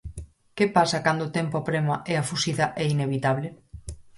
Que pasa cando o tempo aprema e a fuxida é inevitable?